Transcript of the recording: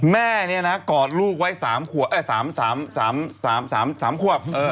แม่กอดลูกไว้๓ขวบ